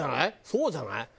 そうじゃない？